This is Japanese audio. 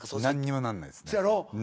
何にもなんない。